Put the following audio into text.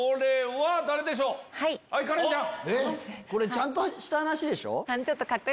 ちゃんとした話でしょ？